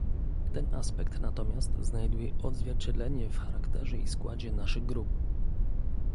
Ten aspekt natomiast znajduje odzwierciedlenie w charakterze i składzie naszych grup